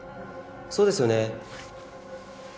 そうですよね？